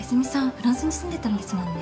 フランスに住んでたんですもんね。